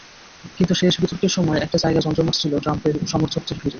কিন্তু শেষ বিতর্কের সময় একটা জায়গা জমজমাট ছিল ট্রাম্পের সমর্থকদের ভিড়ে।